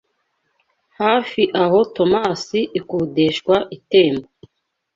Hafi aho Tomas ikodeshwa itemba